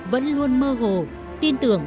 vẫn luôn mơ hồ tin tưởng